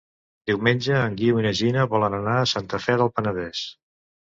Diumenge en Guiu i na Gina volen anar a Santa Fe del Penedès.